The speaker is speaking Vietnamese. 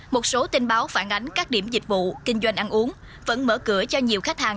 một số tin báo phản ánh các điểm dịch vụ kinh doanh ăn uống vẫn mở cửa cho nhiều khách hàng